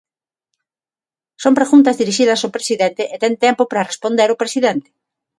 Son preguntas dirixidas ao presidente e ten tempo para responder o presidente.